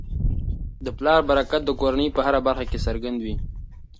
د پلار برکت د کورنی په هره برخه کي څرګند وي.